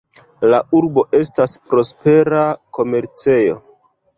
La urbo estas prospera komercejo.